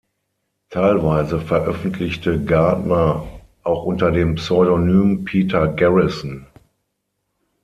Teilweise veröffentlichte Gardner auch unter dem Pseudonym Peter Garrison.